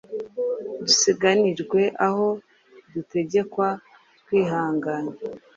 dusiganirwe aho dutegekwa twihanganye.